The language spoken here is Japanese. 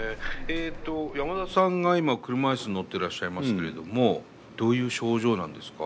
えとヤマダさんが今車椅子に乗ってらっしゃいますけれどもどういう症状なんですか？